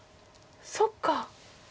そっか。